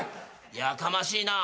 やかましいな。